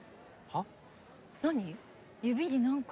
はっ？